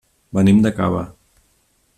Venim de Cava.